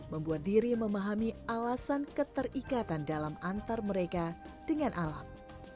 membuat diri memahami alasan keterikatan dalam antar mereka dengan alam